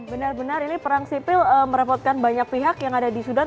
benar benar ini perang sipil merepotkan banyak pihak yang ada di sudan